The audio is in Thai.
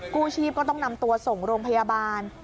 กู้ชีพก็ต้องนำตัวส่งโรงพยาบาล